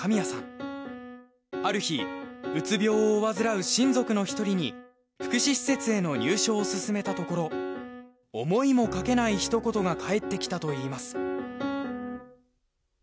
ある日うつ病を患う親族の一人に福祉施設への入所を勧めたところ思いもかけない一言が返ってきたといいます。